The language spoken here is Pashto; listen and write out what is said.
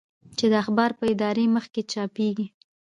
چې د اخبار په اداري مخ کې چاپېږي.